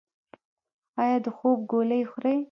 ایا د خوب ګولۍ خورئ؟